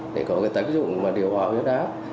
để có tác dụng điều hòa huyết áp